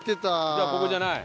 じゃあここじゃない？